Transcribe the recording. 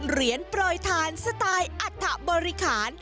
เหรียญโปรยทานสไตล์อัฐบริคาร